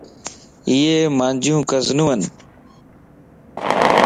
ايي مانجو ڪزنيون ون